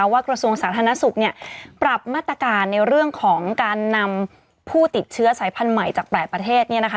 กระทรวงสาธารณสุขปรับมาตรการในเรื่องของการนำผู้ติดเชื้อสายพันธุ์ใหม่จาก๘ประเทศ